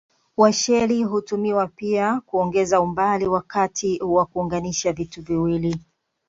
Washeli hutumiwa pia kuongeza umbali wakati wa kuunganisha vitu viwili.